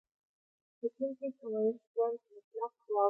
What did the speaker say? په چین کې کمونېست ګوند مطلق واک لري.